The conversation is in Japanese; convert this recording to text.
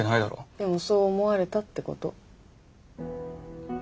でもそう思われたってこと。